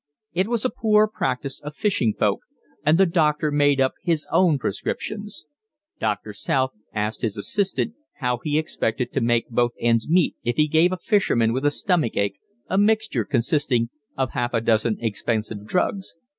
It was a poor practice, of fishing folk, and the doctor made up his own prescriptions. Doctor South asked his assistant how he expected to make both ends meet if he gave a fisherman with a stomach ache a mixture consisting of half a dozen expensive drugs.